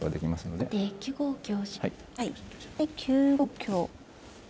で９五香。